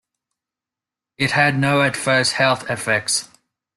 It had no adverse health effects.